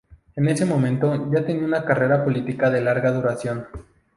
En ese momento, ya tenía una carrera política de larga duración.